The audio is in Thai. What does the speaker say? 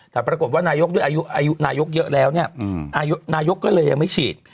แต่ปรากฏว่านายกด้วยอายุนายกเยอะแล้วเนี่ยนายกก็เลยยังไม่ฉีด